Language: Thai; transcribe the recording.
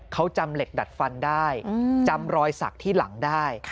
เขาจำเหล็กดัดฟันได้จำรอยสักที่หลังได้